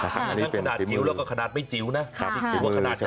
ครับอันนี้เป็นเรือจิ๋วและขนาดไม่จิ๋วนะ